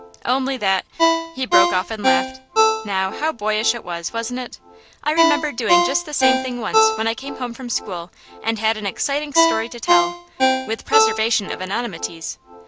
'Only that ' he broke off and laughed. 'Now, how boyish it was, wasn't it? I remember doing just the same thing once when I came home from school and had an exciting story to tell, with preservation of anonymities.